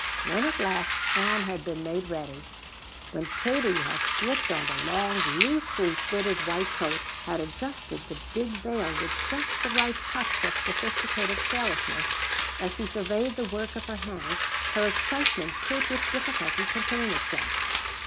When at last Ann had been made ready, when Katie had slipped on the long loosely fitted white coat, had adjusted the big veil with just the right touch of sophisticated carelessness, as she surveyed the work of her hands her excitement could with difficulty contain itself.